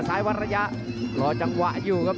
ซ้ายวรรยะรอจังหวะอยู่ครับ